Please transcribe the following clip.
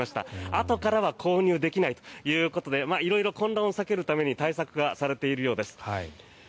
あとからは購入できないということで色々混乱を避けるために対策がされているようです。